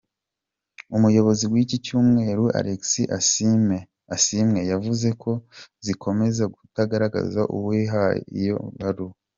Umuyobozi w’icyo kinyamakuru Alex Asiimwe yavuze ko kizakomeza kutagaragaza uwagihaye iyo baruwa.